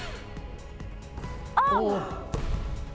あっ！